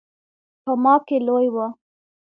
په ما کې لوی و.